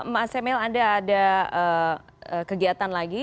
mas emil anda ada kegiatan lagi